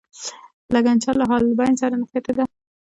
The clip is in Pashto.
لګنچه له حالبینو سره نښتې ده.